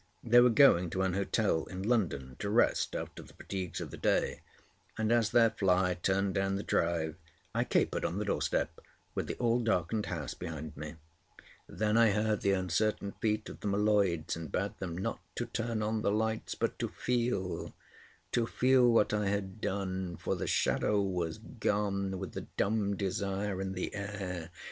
They were going to an hotel in London to rest after the fatigues of the day, and as their fly turned down the drive, I capered on the door step, with the all darkened house behind me. Then I heard the uncertain feet of the M'Leods and bade them not to turn on the lights, but to feel—to feel what I had done; for the Shadow was gone, with the dumb desire in the air.